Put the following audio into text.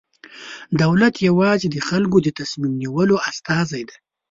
دولت یوازې د خلکو د تصمیم نیولو استازی دی.